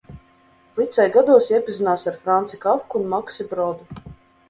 Liceja gados iepazinās ar Franci Kafku un Maksi Brodu.